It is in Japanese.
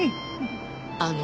あの。